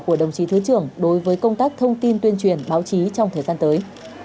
của đồng chí thứ trưởng đối với công tác thông tin tuyên truyền báo chí trong thời gian tới